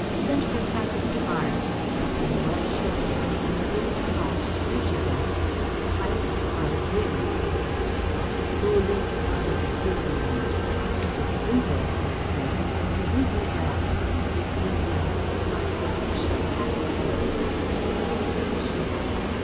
Send for a pack of cards, have them well shuffled and deal a card to each of us. The highest wins." Wu Ling nodded approvingly. "It is simple," he assented. "We do that. If you win, my porters shall pack Image and you can take it to ship.